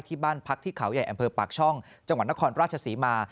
ที่บ้านพักที่เขาใหญ่อำเภอปากช่องจังหวัดนครราชศรีมา